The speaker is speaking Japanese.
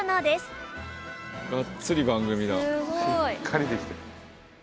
しっかりできてる。